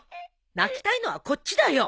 泣きたいのはこっちだよ。